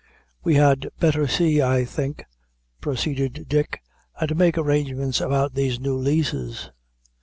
"We had better see, I think," proceeded Dick, "and make arrangements about these new leases."